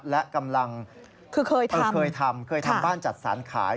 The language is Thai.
และกำลังเคยทำบ้านจัดสารขาย